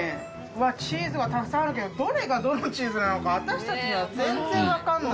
チーズはたくさんあるけどどれがどのチーズなのか私たちには全然わかんない。